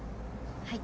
はい。